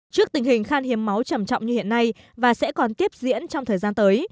trước tình hình khan hiếm máu trầm trọng như hiện nay và sẽ còn tiếp diễn trong thời gian tới